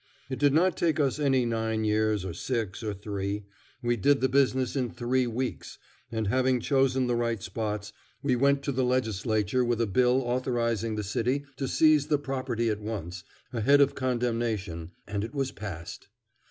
It did not take us any nine years or six, or three. We did the business in three weeks, and having chosen the right spots, we went to the Legislature with a bill authorizing the city to seize the property at once, ahead of condemnation, and it was passed.